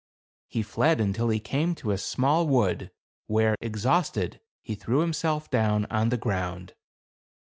He fled until he came to a small wood, where, exhausted, he threw himself down on the ground.